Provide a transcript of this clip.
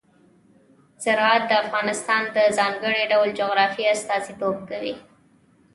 زراعت د افغانستان د ځانګړي ډول جغرافیه استازیتوب کوي.